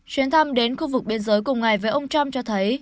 chuyến thăm đến khu vực biên giới cùng ngày với ông trump cho thấy